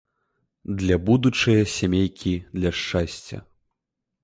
Для будучае сямейкі, для шчасця.